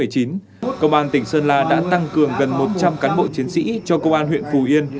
công an tỉnh sơn la đã tăng cường gần một trăm linh cán bộ chiến sĩ cho công an huyện phù yên